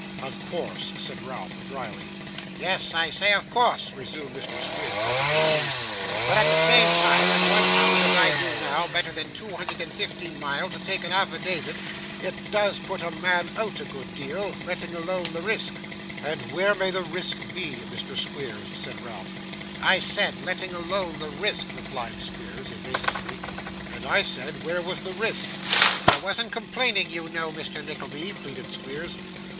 'Of course,' said Ralph, drily. 'Yes, I say of course,' resumed Mr. Squeers, rubbing his knees, 'but at the same time, when one comes, as I do now, better than two hundred and fifty mile to take a afferdavid, it does put a man out a good deal, letting alone the risk.' 'And where may the risk be, Mr. Squeers?' said Ralph. 'I said, letting alone the risk,' replied Squeers, evasively. 'And I said, where was the risk?' 'I wasn't complaining, you know, Mr. Nickleby,' pleaded Squeers.